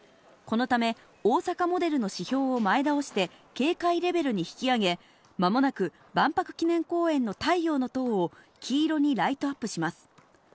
このため、大阪モデルの指標を前倒して、警戒レベルに引き上げ、まもなく万博記念公園の太陽の塔を黄色にライトアップします。